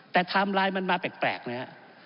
แต่ไทม์ไลน์มันมาแปลกนะฮะ